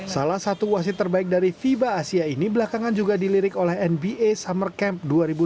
salah satu wasit terbaik dari fiba asia ini belakangan juga dilirik oleh nba summer camp dua ribu dua puluh